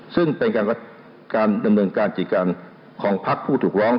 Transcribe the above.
ซึ่งเป็นการเมืองการจิตการของพักผู้ถูกร้อง